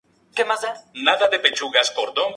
La mayoría de los prisioneros eran del Afrika Korps.